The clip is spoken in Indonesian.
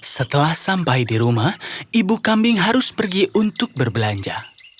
setelah sampai di rumah ibu kambing harus pergi untuk berbelanja